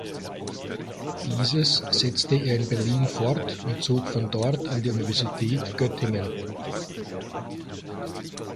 Dieses setzte er in Berlin fort und zog von dort an die Universität Göttingen.